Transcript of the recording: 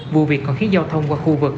vụ việc còn khiến giao thông qua khu vực